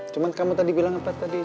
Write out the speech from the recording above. cuma kamu tadi bilang apa tadi